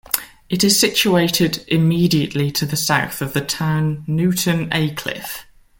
It is situated immediately to the south of the town of Newton Aycliffe.